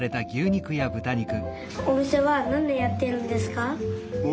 おみせはなんねんやってるんですか？